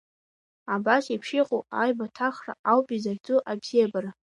Абас еиԥш иҟоу аибаҭахра ауп изахьӡу Абзиабара.